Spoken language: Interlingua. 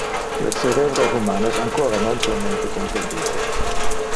Le cerebro human es ancora non plenmente comprendite.